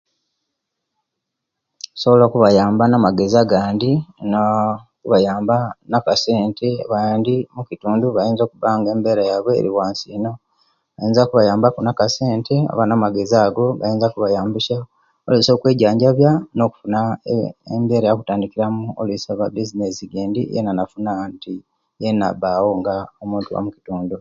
Osobola okubayamba na'magezi agandi naah okubayamba nakasente abandi mukitundu bayinza kuba nga embera yaiwe eliwansi ino oyinza okubamba ku nakasente oba amagezi ago gainza okubayambisya olwisi okwejanjabya nokufuna eeh embera okutandikiramu oluisi oba ebuzinesi gendi yena nafuna nti yena abaawo nga omuntu wa'omukitundu